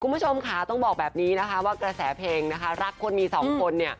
คุณผู้ชมค่ะต้องบอกแบบนี้นะคะว่ากระแสเพลงนะคะรักคนมีสองคนเนี่ย